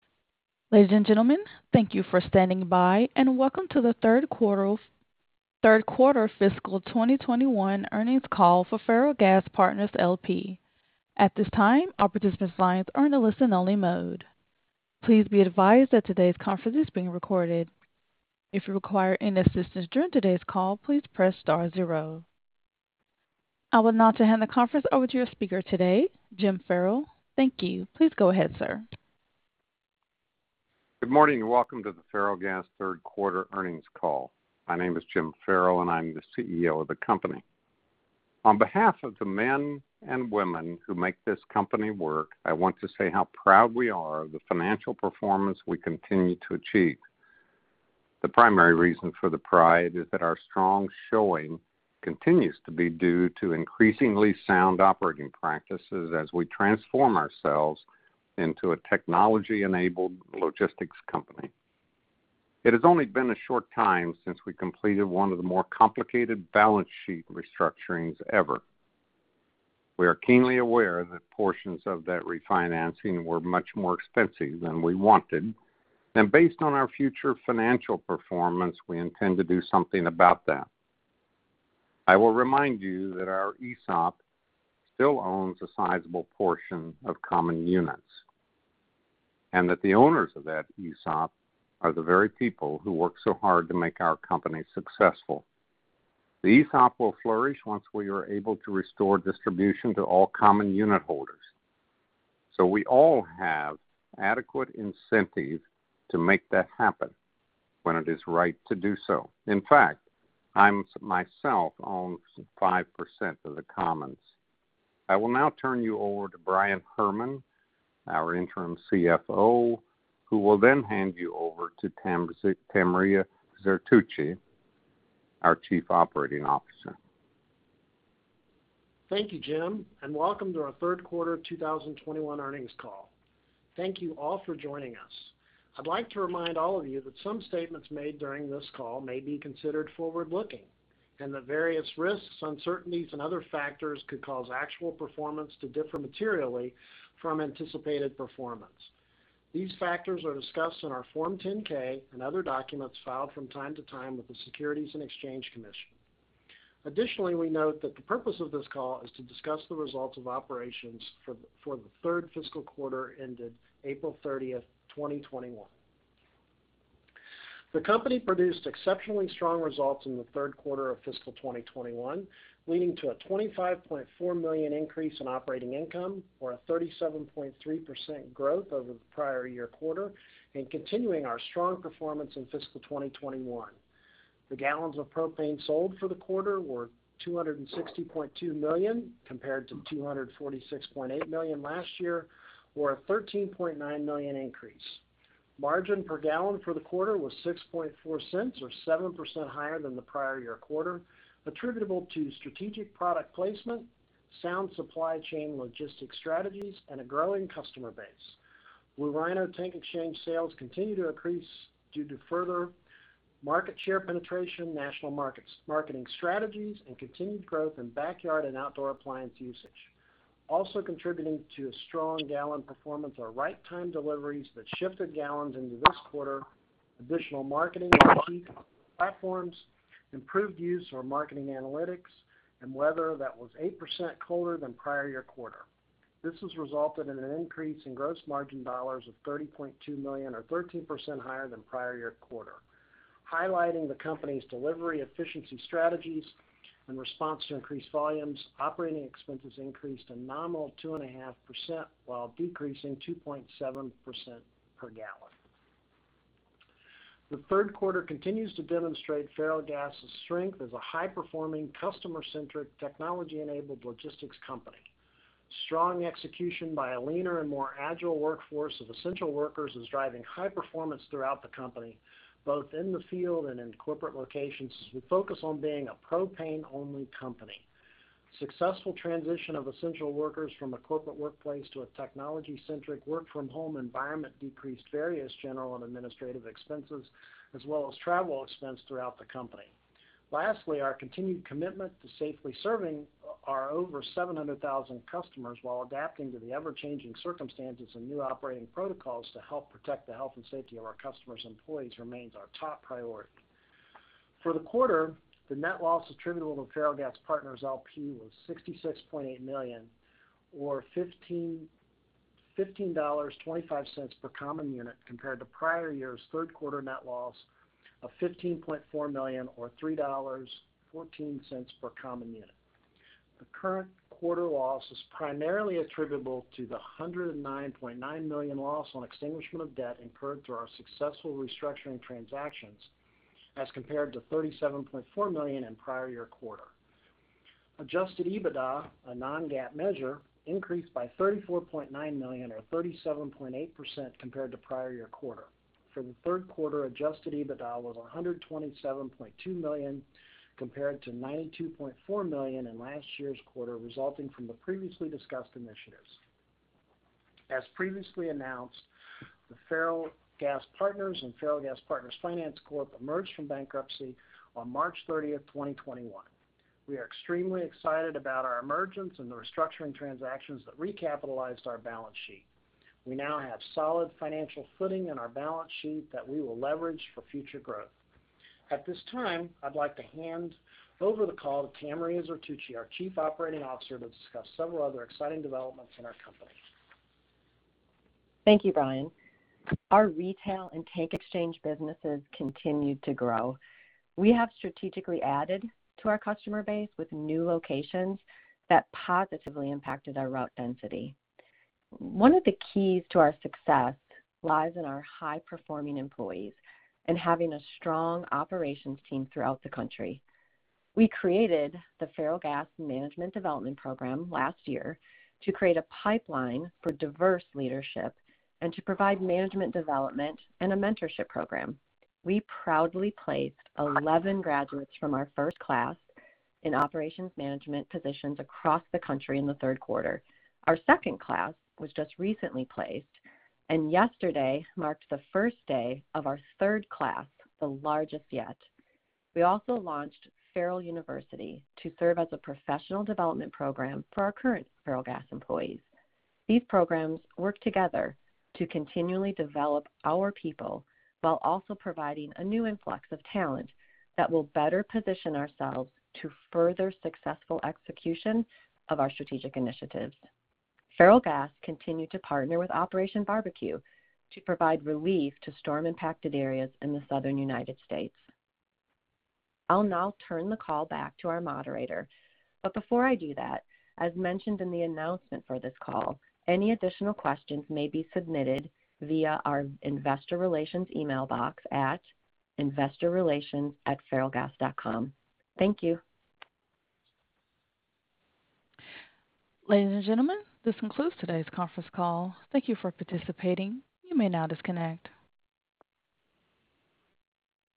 Ladies and gentlemen, thank you for standing by, and welcome to the third quarter fiscal 2021 earnings call for Ferrellgas Partners, LP. At this time, all participants' lines are in a listen-only mode. Please be advised that today's conference is being recorded. If you require any assistance during today's call, please press star zero. I would now turn the conference over to your speaker today, Jim Ferrell. Thank you. Please go ahead, sir. Good morning, and welcome to the Ferrellgas third quarter earnings call. My name is Jim Ferrell, and I'm the CEO of the company. On behalf of the men and women who make this company work, I want to say how proud we are of the financial performance we continue to achieve. The primary reason for the pride is that our strong showing continues to be due to increasingly sound operating practices as we transform ourselves into a technology-enabled logistics company. It has only been a short time since we completed one of the more complicated balance sheet restructurings ever. We are keenly aware that portions of that refinancing were much more expensive than we wanted, and based on our future financial performance, we intend to do something about that. I will remind you that our ESOP still owns a sizable portion of common units, and that the owners of that ESOP are the very people who work so hard to make our company successful. The ESOP will flourish once we are able to restore distribution to all common unit holders, so we all have adequate incentives to make that happen when it is right to do so. In fact, I, myself, own 5% of the commons. I will now turn you over to Brian Herrmann, our Interim CFO, who will then hand you over to Tamria Zertuche, our Chief Operating Officer. Thank you, Jim, and welcome to our third quarter 2021 earnings call. Thank you all for joining us. I'd like to remind all of you that some statements made during this call may be considered forward-looking, and that various risks, uncertainties, and other factors could cause actual performance to differ materially from anticipated performance. These factors are discussed in our Form 10-K and other documents filed from time to time with the Securities and Exchange Commission. Additionally, we note that the purpose of this call is to discuss the results of operations for the third fiscal quarter ended April 30th, 2021. The company produced exceptionally strong results in the third quarter of fiscal 2021, leading to a $25.4 million increase in operating income or a 37.3% growth over the prior-year quarter and continuing our strong performance in fiscal 2021. The gallons of propane sold for the quarter were 260.2 million, compared to 246.8 million last year, or a 13.9 million increase. Margin per gallon for the quarter was $0.064, or 7% higher than the prior-year quarter, attributable to strategic product placement, sound supply chain logistics strategies, and a growing customer base. Blue Rhino tank exchange sales continue to increase due to further market share penetration, national marketing strategies, and continued growth in backyard and outdoor appliance usage. Also contributing to a strong gallon performance are right time deliveries that shifted gallons into this quarter, additional marketing platforms, improved use of marketing analytics, and weather that was 8% colder than prior-year quarter. This has resulted in an increase in gross margin dollars of $30.2 million, or 13% higher than prior-year quarter. Highlighting the company's delivery efficiency strategies in response to increased volumes, operating expenses increased a nominal 2.5% while decreasing 2.7% per gallon. The third quarter continues to demonstrate Ferrellgas' strength as a high-performing, customer-centric, technology-enabled logistics company. Strong execution by a leaner and more agile workforce of essential workers is driving high performance throughout the company, both in the field and in corporate locations, as we focus on being a propane-only company. Successful transition of essential workers from a corporate workplace to a technology-centric work-from-home environment decreased various general and administrative expenses as well as travel expense throughout the company. Lastly, our continued commitment to safely serving our over 700,000 customers while adapting to the ever-changing circumstances and new operating protocols to help protect the health and safety of our customers' employees remains our top priority. For the quarter, the net loss attributable to Ferrellgas Partners, LP was $66.8 million or $15.25 per common unit, compared to prior year's third quarter net loss of $15.4 million or $3.14 per common unit. The current quarter loss is primarily attributable to the $109.9 million loss on extinguishment of debt incurred through our successful restructuring transactions, as compared to $37.4 million in prior-year quarter. Adjusted EBITDA, a non-GAAP measure, increased by $34.9 million or 37.8% compared to prior-year quarter. For the third quarter, adjusted EBITDA was $127.2 million compared to $92.4 million in last year's quarter, resulting from the previously discussed initiatives. As previously announced, the Ferrellgas Partners and Ferrellgas Partners Finance Corp emerged from bankruptcy on March 30th, 2021. We are extremely excited about our emergence and the restructuring transactions that recapitalized our balance sheet. We now have solid financial footing in our balance sheet that we will leverage for future growth. At this time, I'd like to hand over the call to Tamria Zertuche, our Chief Operating Officer, to discuss several other exciting developments in our company. Thank you, Brian. Our retail and tank exchange businesses continued to grow. We have strategically added to our customer base with new locations that positively impacted our route density. One of the keys to our success lies in our high-performing employees and having a strong operations team throughout the country. We created the Ferrellgas Management Development Program last year to create a pipeline for diverse leadership and to provide management development and a mentorship program. We proudly placed 11 graduates from our first class in operations management positions across the country in the third quarter. Our second class was just recently placed, and yesterday marked the first day of our third class, the largest yet. We also launched Ferrell University to serve as a professional development program for our current Ferrellgas employees. These programs work together to continually develop our people while also providing a new influx of talent that will better position ourselves to further successful execution of our strategic initiatives. Ferrellgas continued to partner with Operation BBQ to provide relief to storm-impacted areas in the Southern United States. I'll now turn the call back to our moderator. Before I do that, as mentioned in the announcement for this call, any additional questions may be submitted via our investor relations email box at investorrelations@ferrellgas.com. Thank you. Ladies and gentlemen, this concludes today's conference call. Thank you for participating. You may now disconnect.